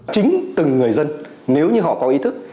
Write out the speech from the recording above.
chính từng người dân nếu như họ có ý thức